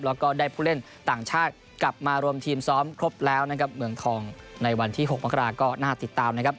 แล้วก็ได้ผู้เล่นต่างชาติกลับมารวมทีมซ้อมครบแล้วนะครับเมืองทองในวันที่๖มกราก็น่าติดตามนะครับ